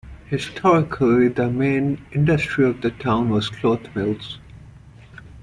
Historically, the main industry of the town was cloth-mills.